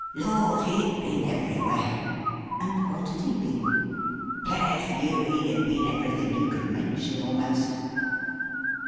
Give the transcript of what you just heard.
Lord, he had been everywhere! And what had he been? Bless you, he had been everything you could mention a'most!